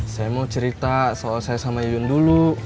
saya mau cerita soal saya sama yun dulu